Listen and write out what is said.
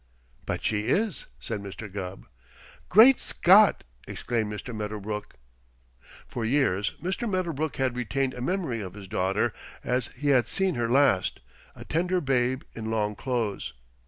"But she is," said Mr. Gubb. "Great Scott!" exclaimed Mr. Medderbrook. For years Mr. Medderbrook had retained a memory of his daughter as he had seen her last, a tender babe in long clothes.